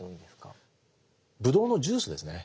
ぶどうのジュースですね。